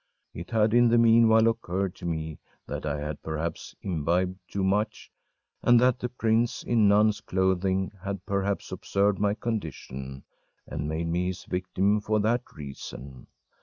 It had in the meanwhile occurred to me that I had perhaps imbibed too much, and that the prince in nun’s clothing had perhaps observed my condition, and made me his victim for that reason.